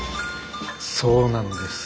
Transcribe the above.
そうなんです。